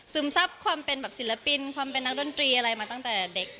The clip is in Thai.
ซับความเป็นแบบศิลปินความเป็นนักดนตรีอะไรมาตั้งแต่เด็ก